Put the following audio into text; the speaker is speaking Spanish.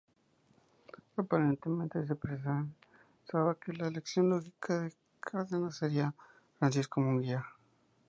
Aparentemente, se pensaba que la elección lógica de Cárdenas sería Francisco Múgica.